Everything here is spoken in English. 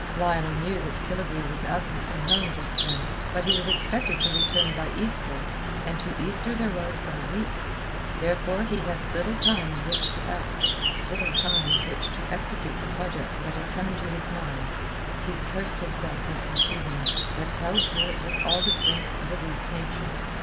Lionel knew that Killigrew was absent from home just then; but he was expected to return by Easter, and to Easter there was but a week. Therefore he had little time in which to act, little time in which to execute the project that had come into his mind. He cursed himself for conceiving it, but held to it with all the strength of a weak nature.